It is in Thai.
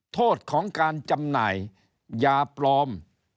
โทษของการจำหน่ายยาปลอม